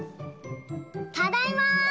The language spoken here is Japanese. ・ただいま！